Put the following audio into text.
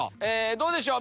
どうでしょう？